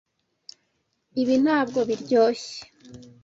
Ibi ntabwo biryoshye.